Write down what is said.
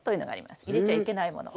入れちゃいけないもの。